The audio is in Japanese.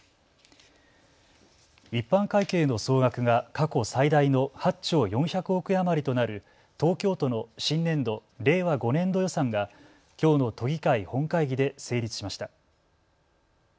一般会計の総額が過去最大の８兆４００億円余りとなる東京都の新年度・令和５年度予算がきょうの都議会本会議で成立しました。